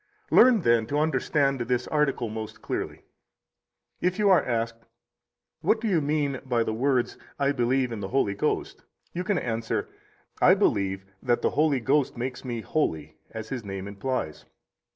40 Learn, then, to understand this article most clearly. If you are asked: What do you mean by the words: I believe in the Holy Ghost? you can answer: I believe that the Holy Ghost makes me holy, as His name implies.